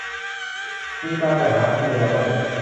มีตาแต่หามีแววไม่